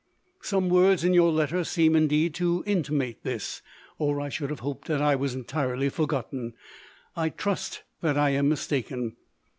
Some word in your letter seem indeed to intimate this, or I should have hoped that I was entirely forgotten. I trust that I am mistaken.